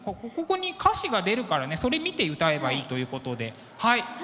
ここに歌詞が出るからねそれ見て歌えばいいということではい。